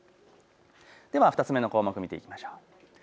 では２つ目の項目見ていきましょう。